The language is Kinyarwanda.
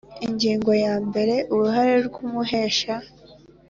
Ingingo ya mbere Uruhare rw umuhesha